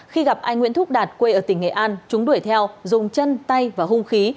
khi gặp anh nguyễn thúc đạt quê ở tỉnh nghệ an chúng đuổi theo dùng chân tay và hung khí